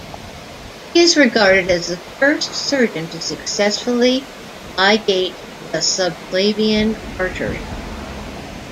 He is regarded as the first surgeon to successfully ligate the subclavian artery.